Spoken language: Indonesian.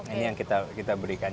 ini yang kita berikan